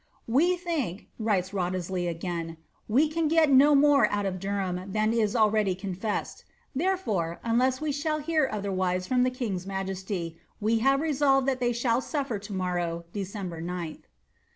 •* We think," writes Wriothesley again, " we can get no more of Der ham than is already confessed ; therefore, unless we shall hear other wise from the king's majesty, we have resolved that they shall sufier toHOorrow, December 0th."